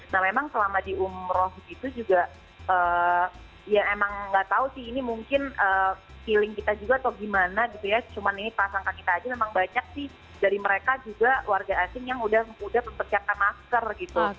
nah memang selama di umroh gitu juga ya emang nggak tahu sih ini mungkin feeling kita juga atau gimana gitu ya cuman ini pasangkan kita aja memang banyak sih dari mereka juga warga asing yang udah mempersiapkan masker gitu